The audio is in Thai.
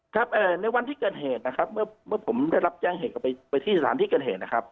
ครับในวันที่เกิดเหตุนะครับเมื่อผมได้รับแจ้งเหตุก็ไปที่สถานที่เกิดเหตุนะครับ